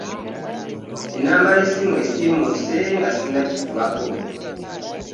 Ennamba y’essimu esiimuuse nga sinnagikubako.